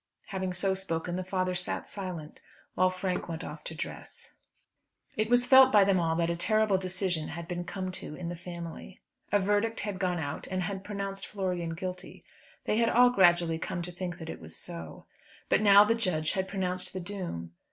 Having so spoken the father sat silent, while Frank went off to dress. It was felt by them all that a terrible decision had been come to in the family. A verdict had gone out and had pronounced Florian guilty. They had all gradually come to think that it was so. But now the judge had pronounced the doom.